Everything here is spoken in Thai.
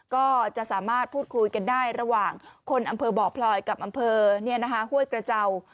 ก็จะสามารถพูดคุยกันได้ระหว่างคนอำเภอบ่อพลอยกับอำเภอห้วยกระเจ้า